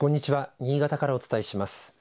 新潟からお伝えします。